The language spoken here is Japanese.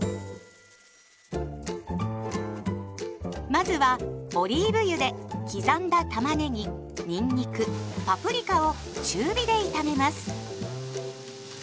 まずはオリーブ油で刻んだたまねぎにんにくパプリカを中火で炒めます。